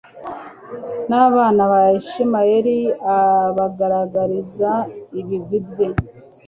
n’abana ba Israheli abagaragariza ibigwi bye